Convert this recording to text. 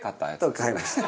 買いました。